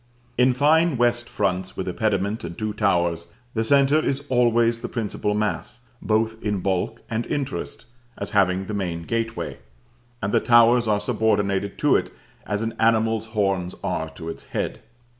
In fine west fronts with a pediment and two towers, the centre is always the principal mass, both in bulk and interest (as having the main gateway), and the towers are subordinated to it, as an animal's horns are to its head.